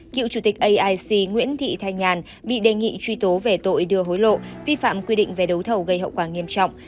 cựu chủ tịch aic nguyễn thị thanh nhàn bị đề nghị truy tố về tội đưa hối lộ vi phạm quy định về đấu thầu gây hậu quả nghiêm trọng